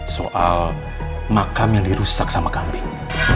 soal makam yang dirusak sama kambing